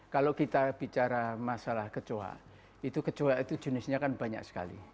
kalau kita bicara masalah kecoa itu jenisnya kan banyak sekali